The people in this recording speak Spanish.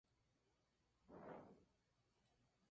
La proporción de seguidores maoríes del Islam es baja.